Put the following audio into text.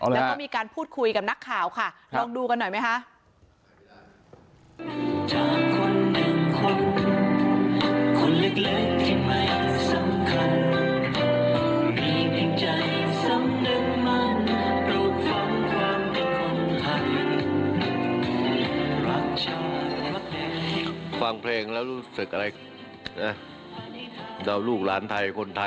แล้วก็มีการพูดคุยกับนักข่าวค่ะลองดูกันหน่อยไหมคะ